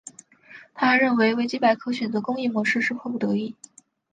他还认为维基百科选择公益模式是迫不得已。